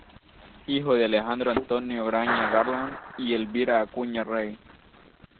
Hijo de Alejandro Antonio Graña Garland y Elvira Acuña Rey.